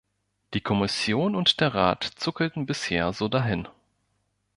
Die Kommission und der Rat zuckelten bisher so dahin.